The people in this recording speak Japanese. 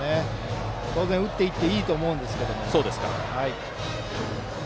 当然、打っていっていいと思いますが。